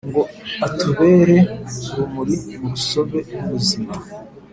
ngo atubere urumuri mu rusobe rw’ubuzima